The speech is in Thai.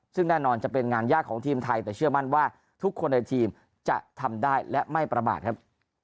ซึ่งแน่นอนจะเป็นงานยากของทีมไทยแต่เชื่อมั่นว่าทุกคนในทีมจะทำได้และไม่ประมาทครับ